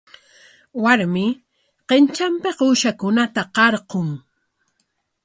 Warmi qintranpik uushankunata qarqun.